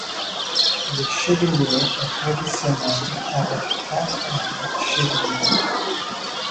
Le chevillier est traditionnel avec quatre grandes chevilles.